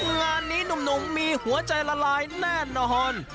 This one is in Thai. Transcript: งานนี้หนุ่มมีหัวใจละลายแน่นอน